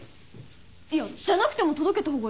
いやじゃなくても届けた方がよくない？